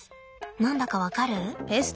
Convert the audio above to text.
何だか分かる？